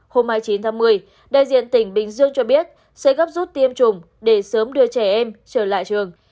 hôm hai mươi chín tháng một mươi đại diện tỉnh bình dương cho biết sẽ gấp rút tiêm chủng để sớm đưa trẻ em trở lại trường